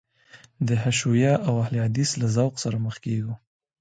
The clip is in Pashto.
د حشویه او اهل حدیث له ذوق سره مخ کېږو.